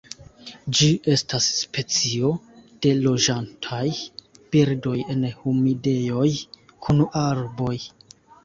Ĝi estas specio de loĝantaj birdoj en humidejoj kun arboj.